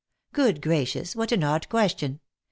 Good gracious, what an odd question